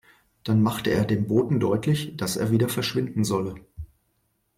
Dann machte er dem Boten deutlich, dass er wieder verschwinden solle.